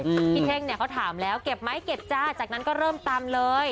พี่เท่งเนี้ยเขาถามแล้วเก็บไหมเก็บจ้าจากนั้นก็เริ่มตำเลย